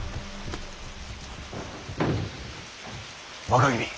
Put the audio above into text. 若君。